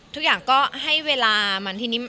ทุกอย่างให้เวลามัน